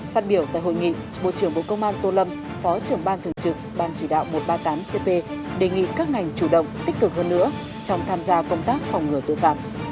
phát biểu tại hội nghị bộ trưởng bộ công an tô lâm phó trưởng ban thường trực ban chỉ đạo một trăm ba mươi tám cp đề nghị các ngành chủ động tích cực hơn nữa trong tham gia công tác phòng ngừa tội phạm